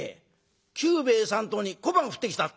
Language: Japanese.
久兵衛さんとこに小判降ってきたって？